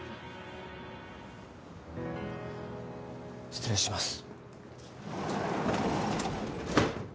失礼します。